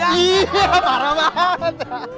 iya parah banget